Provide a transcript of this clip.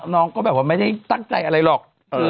น้องก็แบบว่าไม่ได้ตั้งใจอะไรหรอก